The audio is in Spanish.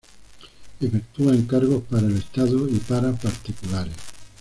Efectúa encargos para el Estado y para particulares.